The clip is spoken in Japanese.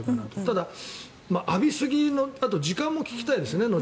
ただ、浴びすぎとあとで時間も聞きたいですよね。